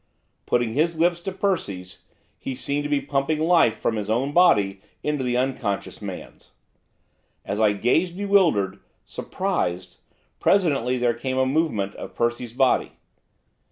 Putting his lips to Percy's, he seemed to be pumping life from his own body into the unconscious man's. As I gazed bewildered, surprised, presently there came a movement of Percy's body.